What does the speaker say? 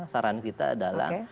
saran kita adalah